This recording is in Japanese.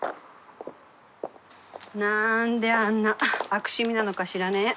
なんであんな悪趣味なのかしらね